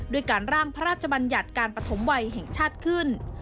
ด้วยการร่างพระราชบัญญัติการปฐมวัยแห่งชาติขึ้น